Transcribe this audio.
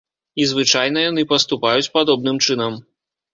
І звычайна яны паступаюць падобным чынам.